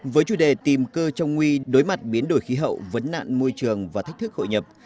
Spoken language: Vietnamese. với chủ đề tìm cơ trong nguy đối mặt biến đổi khí hậu vấn nạn môi trường và thách thức hội nhập